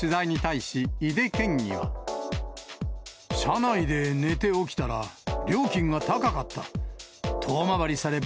車内で寝て起きたら、料金が高かった。